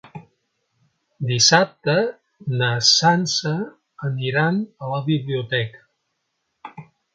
Dissabte na Sança anirà a la biblioteca.